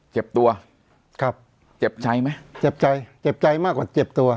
เจ็บตัวครับเจ็บใจไหมเจ็บใจเจ็บใจมากกว่าเจ็บตัว